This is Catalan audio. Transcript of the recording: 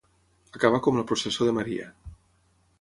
Acabar com la processó de Maria.